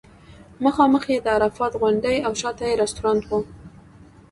مخامخ یې د عرفات غونډۍ او شاته یې رستورانټ و.